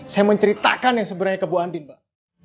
saya mau ceritakan yang sebenarnya ke bu andin pak